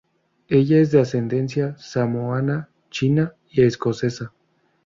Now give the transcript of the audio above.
Ella es de ascendencia samoana, china y escocesa.